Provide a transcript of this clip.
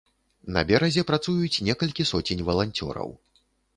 На беразе працуюць некалькі соцень валанцёраў.